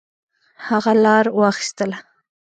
هغه لار واخیستله.